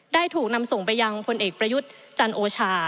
ถูกนำส่งไปยังพลเอกประยุทธ์จันโอชา